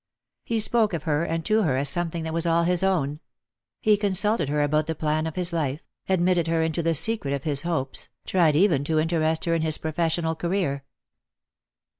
He spoke of her and to her as something that was all his own. He consulted her about the plan of his life, admitted her into the secret of his hopes, tried even to interest her in his professional career.